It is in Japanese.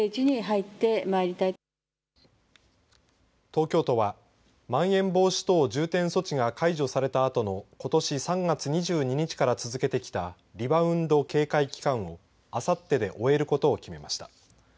東京都はまん延防止等重点措置が解除されたあとのことし３月２２日から続けてきたリバウンド警戒期間をあさってで終えることを決めました。